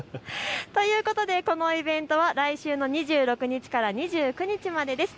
ということで、このイベントは来週の２６日から２９日までです。